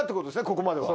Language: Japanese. ここまでは。